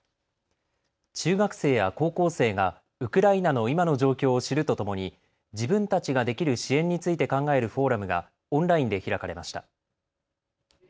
中学生や高校生がウクライナの今の状況を知るとともに自分たちができる支援について考えるフォーラムがオンラインで開かれました。